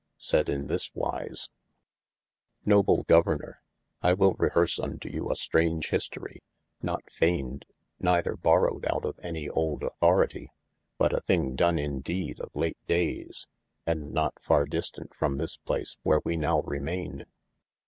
said in this wise, Noble governor, I will reherse unto you a strange historie, not fayned, neyther borowed out of any oulde au&horitie, but a thing done in deed of late dayes, and not farre distant from this place where wee nowe remayne.